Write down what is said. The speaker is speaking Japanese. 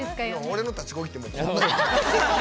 俺の立ち漕ぎってこんなんやから。